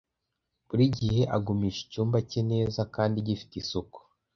Buri gihe agumisha icyumba cye neza kandi gifite isuku.